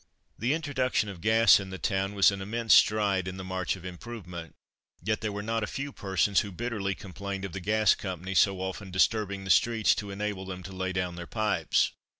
The introduction of Gas in the town was an immense stride in the march of improvement; yet there were not a few persons who bitterly complained of the Gas Company so often disturbing the streets to enable them to lay down their pipes.